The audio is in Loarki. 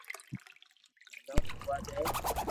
منو ھووا دي